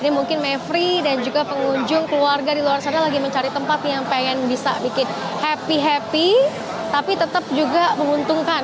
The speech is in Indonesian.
ini mungkin mevri dan juga pengunjung keluarga di luar sana lagi mencari tempat yang pengen bisa bikin happy happy tapi tetap juga menguntungkan